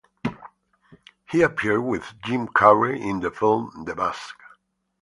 He appeared with Jim Carrey in the film "The Mask".